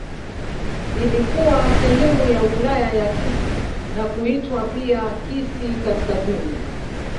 Ilikuwa sehemu ya Wilaya ya Kisii na kuitwa pia Kisii Kaskazini.